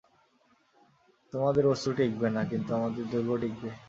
তোমাদের অশ্রু টিঁকবে না, কিন্তু আমাদের দুর্গ টিঁকবে।